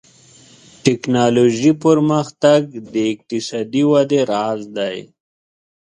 ټکنالوژي پرمختګ د اقتصادي ودې راز دی.